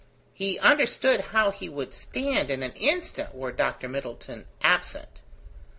He understood how he would stand in an instant were Dr. Middleton absent.